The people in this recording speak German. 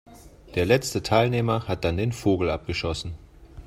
Der letzte Teilnehmer hat dann den Vogel abgeschossen.